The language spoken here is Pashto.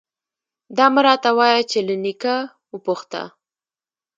_دا مه راته وايه چې له نيکه وپوښته.